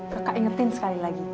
kakak ingetin sekali lagi